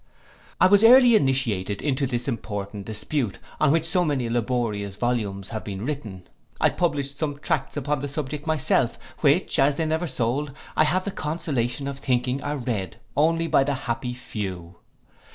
I was early innitiated into this important dispute, on which so many laborious volumes have been written. I published some tracts upon the subject myself, which, as they never sold, I have the consolation of thinking are read only by the happy Few.